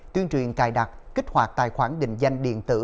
tuyên truyền cài đặt kích hoạt tài khoản định danh điện tử